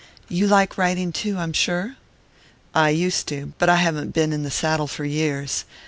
"You like riding too, I'm sure?" "I used to; but I haven't been in the saddle for years.